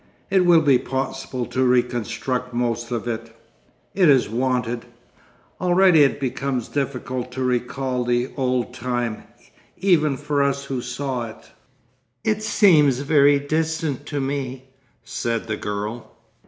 It will be possible to reconstruct most of it.... It is wanted. Already it becomes difficult to recall the old time—even for us who saw it.' 'It seems very distant to me,' said the girl.